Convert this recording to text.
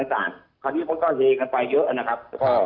คราวนี้พวกเขาก็เฮกละกันไปเยอะนะครับ